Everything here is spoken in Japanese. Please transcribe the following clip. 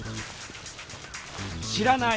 知らない！